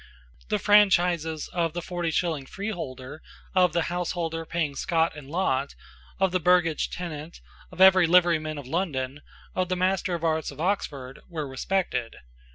The franchises of the forty shilling freeholder, of the householder paying scot and lot, of the burgage tenant, of the liveryman of London, of the Master of Arts of Oxford, were respected.